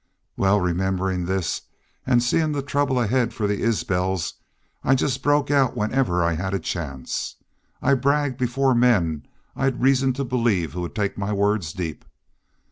Wal, rememberin' this an' seein' the trouble ahaid for the Isbels, I just broke out whenever I had a chance. I bragged before men I'd reason to believe would take my words deep.